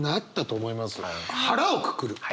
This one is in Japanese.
腹をくくる。